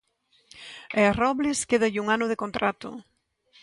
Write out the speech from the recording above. E a Robles quédalle un ano de contrato.